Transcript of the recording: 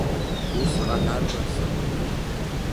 Усҟан арра сыҟан.